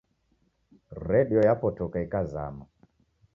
Redio yapotoka ikazama